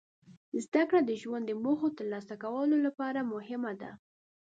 زدهکړه د ژوند د موخو ترلاسه کولو لپاره مهمه ده.